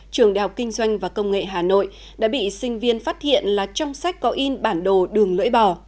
trường đại học kinh doanh và công nghệ hà nội đã bị sinh viên phát hiện là trong sách có in bản đồ đường lưỡi bò